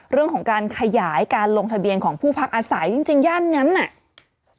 เรื่องของการขยายการลงทะเบียนของผู้พักอาศัยจริงย่านนั้นน่ะ